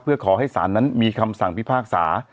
เพื่อขอให้ศาลนั้นมีคำสั่งพิพากษา